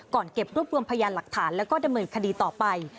เก็บรวบรวมพยานหลักฐานแล้วก็ดำเนินคดีต่อไป